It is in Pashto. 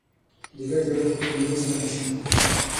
د ګټې بیه به پنځوس سلنه شي